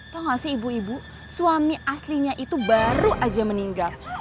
tahu gak sih ibu ibu suami aslinya itu baru aja meninggal